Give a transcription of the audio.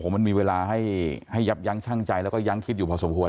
มันมีเวลาให้ยับยั้งชั่งใจแล้วก็ยังคิดอยู่พอสมควร